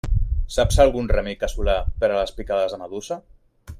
Saps algun remei casolà per a les picades de medusa?